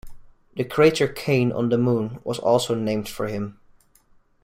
The crater Kane on the Moon was also named for him.